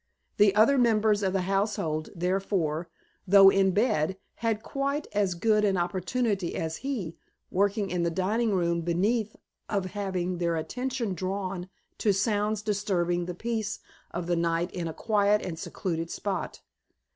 The other members of the household, therefore, though in bed, had quite as good an opportunity as he, working in the dining room beneath, of having their attention drawn to sounds disturbing the peace of the night in a quiet and secluded spot.